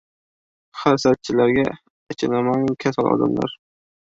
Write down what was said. Hasadchilarga achinamanular kasal odamlar